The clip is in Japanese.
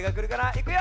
いくよ！